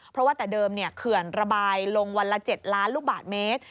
เพราะว่าแต่เดิมเขื่อนระบายลงวันละ๗ล้านลูกบาทเมตร